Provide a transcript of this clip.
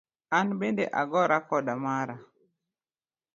An bende agora koda mara.